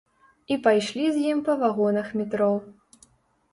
І пайшлі з ім па вагонах метро.